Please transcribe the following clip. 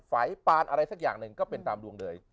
ไฟปานอะไรสักอย่างหนึ่งก็เป็นตามดวงเลย